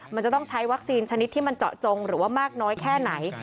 มันจะต้องใช้วัคซีนชนิดที่มันเจาะจงหรือว่ามากน้อยแค่ไหน